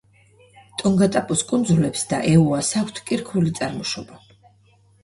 ტონგატაპუს კუნძულებს და ეუას აქვთ კირქვული წარმოშობა.